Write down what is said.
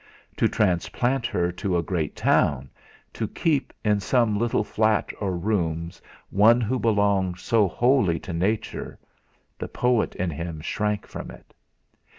To transplant her to a great town, to keep, in some little flat or rooms, one who belonged so wholly to Nature the poet in him shrank from it.